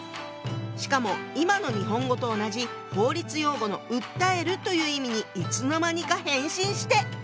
しかも今の日本語と同じ法律用語の「訴える」という意味にいつの間にか変身して！